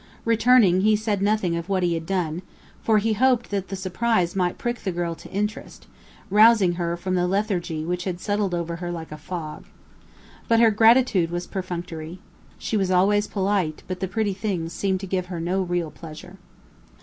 Returning, he said nothing of what he had done, for he hoped that the surprise might prick the girl to interest, rousing her from the lethargy which had settled over her like a fog. But her gratitude was perfunctory. She was always polite, but the pretty things seemed to give her no real pleasure.